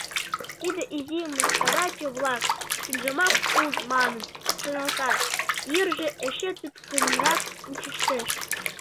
Тиде изи мыскараче-влак чынжымак улыт манын шоналтат, йырже эше тӱткынрак ончыштеш.